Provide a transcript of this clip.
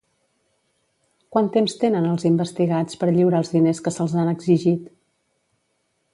Quant temps tenen els investigats per lliurar els diners que se'ls han exigit?